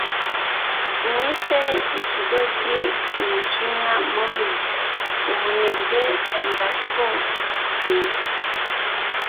Unyite ikigoryi umujinya mubi ubunebwe Ndakubwiye